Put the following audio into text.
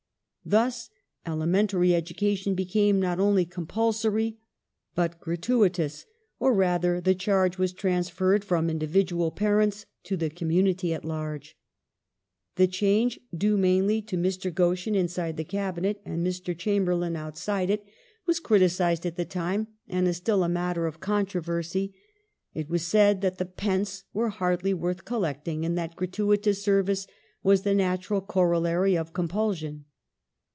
Thus elementary education became not only compulsory, but gi atuitous — or rather the charge was transferred from indi vidual parents to the cQmmunity at large. The change, due mainly to Mr. Goschen inside the Cabinet and Mr. Chamberlain outside it, ^ The body of rules issued by the Central Authority. 404 NATIONAL EDUCATION [1833 was much criticized at the time, and is still a matter of controversy. It was said that the *' pence " were hardly worth collecting, and that gratuitous sei vice was the natural corollary of compulsion.